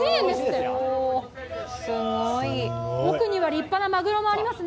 奥には立派なマグロもありますね。